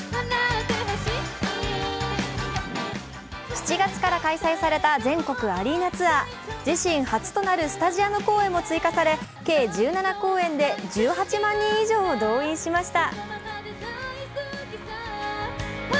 ７月から開催された全国アリーナツアー自身初となるスタジアム公演も追加され計１７公演で１８万人以上を動員しました。